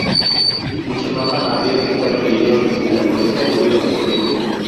Dicho mapa habría resultado peligroso si la policía lo hubiera descubierto.